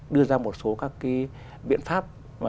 đưa ra một số các biện pháp